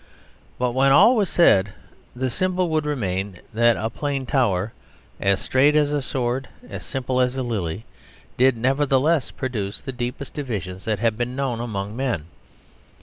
But when all was said, the symbol would remain that a plain tower, as straight as a sword, as simple as a lily, did nevertheless produce the deepest divisions that have been known among men.